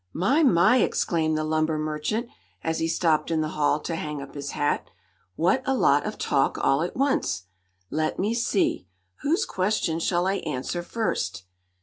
"My! My!" exclaimed the lumber merchant, as he stopped in the hall to hang up his hat. "What a lot of talk all at once! Let me see whose question shall I answer first?"